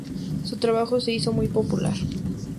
Su trabajo se hizo muy popular.